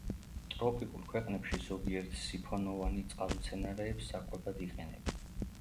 ტროპიკულ ქვეყნებში ზოგიერთ სიფონოვანი წყალმცენარეებს საკვებად იყენებენ.